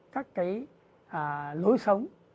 các cái lối sống